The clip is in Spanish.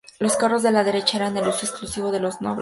Los carros de la derecha eran de uso exclusivo de los nobles.